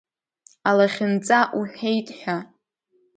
Алахьынҵа уҳәеит ҳәа!